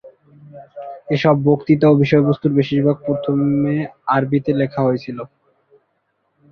এসব বক্তৃতা ও বিষয়বস্তুর বেশিরভাগ প্রথমে আরবিতে লেখা হয়েছিল।